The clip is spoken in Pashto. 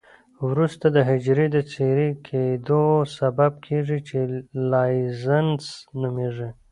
وروسته د حجري د څیرې کیدو سبب کیږي چې لایزس نومېږي.